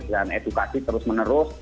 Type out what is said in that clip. dan edukasi terus menerus